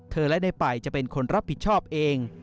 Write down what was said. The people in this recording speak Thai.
และในป่ายจะเป็นคนรับผิดชอบเอง